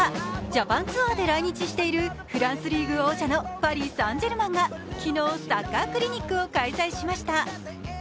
ジャパンツアーで来日しているフランスリーグ王者のパリ・サンジェルマンが昨日、サッカークリニックを開催しました。